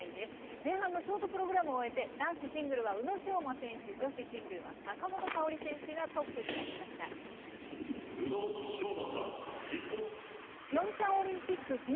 前半のショートプログラムを終えて、男子シングルは宇野昌磨選手、女子シングルは坂本花織選手がト宇野昌磨さん、日本。